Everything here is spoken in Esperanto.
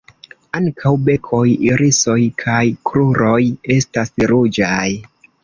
Ankaŭ bekoj, irisoj kaj kruroj estas ruĝaj.